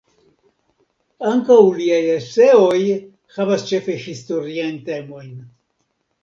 Ankaŭ liaj eseoj havas ĉefe historiajn temojn.